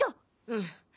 うん。